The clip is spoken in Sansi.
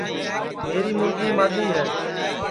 میری مُرگی مادؔی ہے